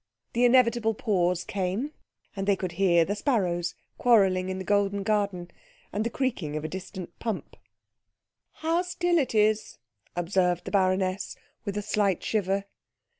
The inevitable pause came, and they could hear the sparrows quarrelling in the golden garden, and the creaking of a distant pump. "How still it is," observed the baroness with a slight shiver.